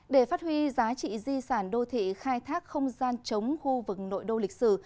để phát huy giá trị di sản đô thị khai thác không gian chống khu vực nội đô lịch sử